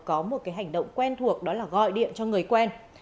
có một cái hành động quen thuộc đó là gọi điện cho người quen